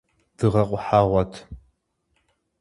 Дыгъэ къухьэгъуэт…